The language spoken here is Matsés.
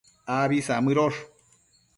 Abi samëdosh